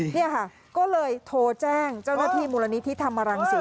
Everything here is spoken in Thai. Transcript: นี่ค่ะก็เลยโทรแจ้งเจ้าหน้าที่มูลนิธิธรรมรังศิษ